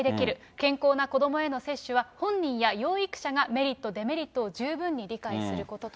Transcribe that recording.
健康な子どもへの接種は、本人や養育者がメリット、デメリットを十分に理解することと。